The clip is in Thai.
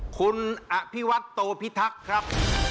คุณอภิวัตโตพิทักษ์ครับ